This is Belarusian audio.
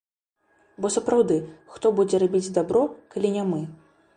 Бо сапраўды, хто будзе рабіць дабро, калі не мы?